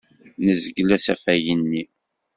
Nezgel asafag-nni.